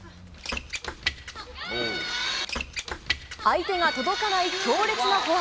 相手が届かない強烈なフォア。